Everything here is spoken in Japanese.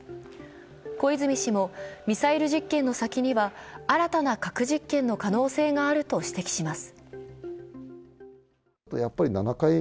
小泉氏もミサイル実験の先には新たな核実験の可能性があると指摘します。